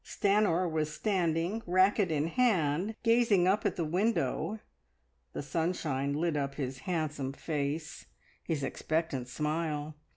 Stanor was standing, racket in hand, gazing up at the window. The sunshine lit up his handsome face, his expectant smile.